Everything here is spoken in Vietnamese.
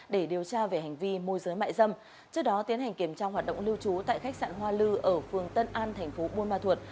để điều tra về hành vi môi giới mại dâm trước đó tiến hành kiểm tra hoạt động lưu trú tại khách sạn hoa lư ở phường tân an thành phố buôn ma thuột